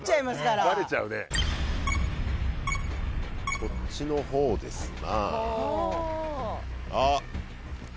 こっちの方ですな。